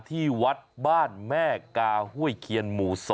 ที่วัดบ้านแม่กาห้วยเคียนหมู่๒